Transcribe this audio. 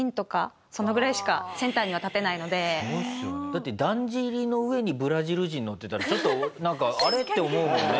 だってだんじりの上にブラジル人乗ってたらちょっとなんかあれ？って思うもんね。